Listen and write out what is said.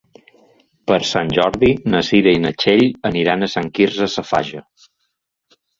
Per Sant Jordi na Cira i na Txell aniran a Sant Quirze Safaja.